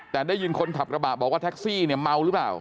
แต่ได้ยินคนขับกระบะบอกว่าแท็กซี่เนี่ยเมาหรือเปล่า